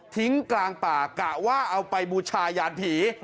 ทิ้งกลางป่ากะว่าเอาไปบูชายานผี